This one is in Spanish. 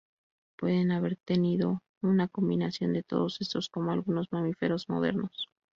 Pueden haber tenido una combinación de todos estos, como algunos mamíferos modernos.